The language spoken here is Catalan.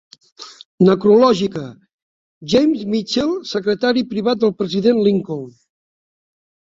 Necrològica: James Mitchell, Secretari Privat del President Lincoln.